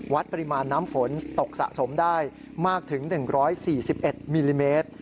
ปริมาณน้ำฝนตกสะสมได้มากถึง๑๔๑มิลลิเมตร